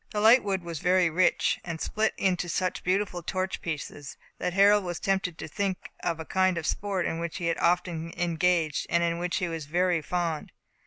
The light wood was very rich, and split into such beautiful torch pieces, that Harold was tempted to think of a kind of sport in which he had often engaged, and in which he was very fond.